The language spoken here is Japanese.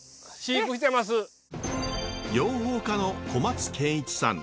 養蜂家の小松健一さん。